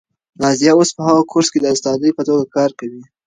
نازیه اوس په هغه کورس کې د استادې په توګه کار کوي.